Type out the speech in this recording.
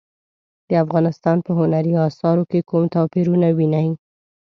د افغانستان په هنري اثارو کې کوم توپیرونه وینئ؟